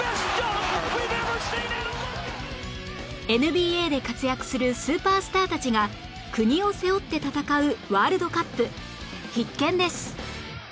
ＮＢＡ で活躍するスーパースターたちが国を背負って戦うワールドカップ必見です！